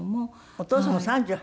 お父様３８？